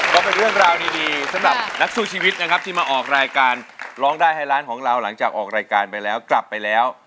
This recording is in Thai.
ก็เป็นเรื่องราวดีสำหรับนักสู้ชีวิตนะครับที่มาออกรายการร้องได้ให้ร้านของเราหลังจากออกรายการไปแล้วกลับไปแล้ว